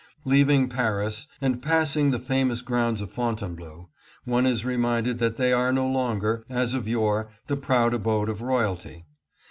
Leaving Paris and passing the famous grounds of Fontainebleau, one is reminded that they are no longer, as of yore, the proud abode of royalty.